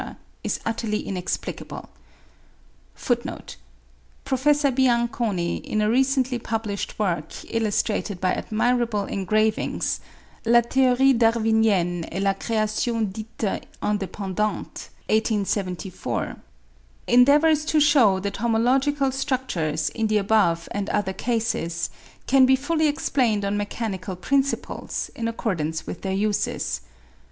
is utterly inexplicable. (56. Prof. Bianconi, in a recently published work, illustrated by admirable engravings ('La Théorie Darwinienne et la création dite indépendante,' 1874), endeavours to shew that homological structures, in the above and other cases, can be fully explained on mechanical principles, in accordance with their uses.